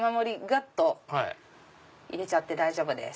がっと入れちゃって大丈夫です。